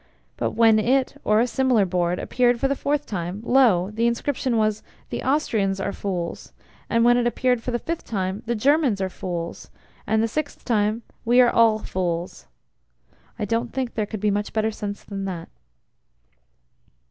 But when it, or a similar board, appeared for the fourth time, lo! the inscription was "The Austrians are fools!"; and when it appeared for the fifth time, "The Germans are fools!"; and the sixth time, "We are all fools!" I don't think there could be much better sense than that.